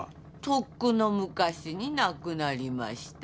とっくの昔に亡くなりました。